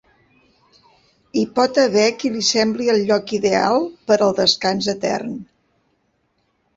Hi pot haver qui li sembli el lloc ideal per al descans etern.